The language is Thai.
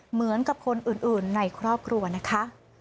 เหมือนกับคนอื่นในครอบครัวนะคะ